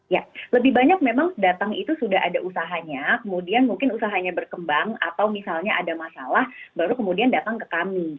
ya lebih banyak memang datang itu sudah ada usahanya kemudian mungkin usahanya berkembang atau misalnya ada masalah baru kemudian datang ke kami